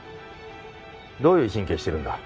どういう神経してるんだ。